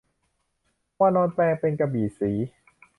วานรแปลงเป็นกระบี่ศรี